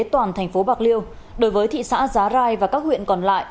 toàn thành phố bạc liêu đối với thị xã giá rai và các huyện còn lại